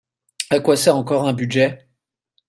À quoi sert encore un budget?